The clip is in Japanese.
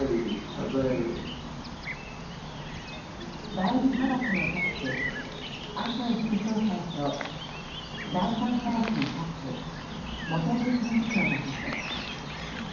第２派閥のトップ麻生副総裁と第３派閥のトップ茂木幹事長だからです。